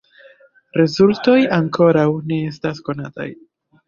Rezultoj ankoraŭ ne estas konataj.